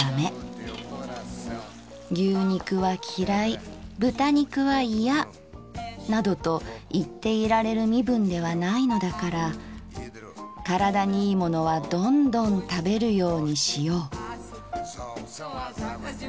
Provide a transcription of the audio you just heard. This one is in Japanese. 牛肉は嫌い豚肉はいや──などと言っていられる身分ではないのだから身体にいいものはどんどん食べるようにしよう」。